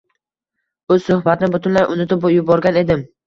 Bu suhbatni butunlay unutib yuborgan edim.